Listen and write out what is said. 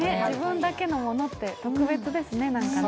自分だけのものって特別ですね。